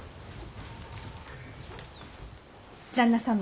旦那様